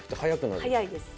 「早いです」